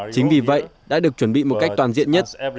chính vì vậy đã được chuẩn bị một cách toàn diện nhất